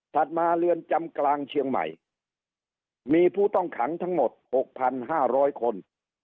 ถัดมาเรือนจำกลางเชียงใหม่มีผู้ต้องขังทั้งหมดหกพันห้าร้อยคน